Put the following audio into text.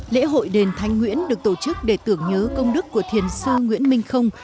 lễ hội đền thánh nguyễn được tổ chức để tưởng nhớ công đức của thiền sư nguyễn minh không